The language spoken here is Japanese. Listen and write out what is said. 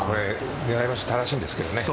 狙い場所正しいですけどね。